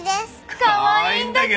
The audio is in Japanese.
かわいいんだけど！